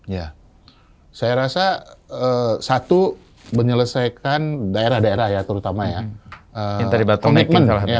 ya saya rasa satu menyelesaikan daerah daerah ya terutama ya komitmen